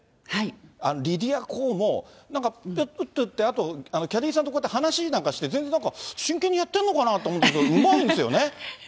リディア・コーもなんかぺっぺっと打って、あとキャディーさんとこうやって話なんかして、全然なんか、真剣にやってんのかなと思ってたけど、うまいんですよね。